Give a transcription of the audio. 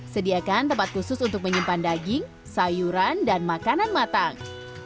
sediakan tempat khusus untuk menyimpan daging sayuran dan makanan matang